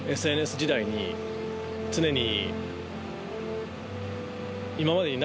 常に。